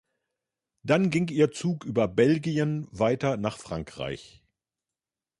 Dann ging ihr Zug über Belgien weiter nach Frankreich.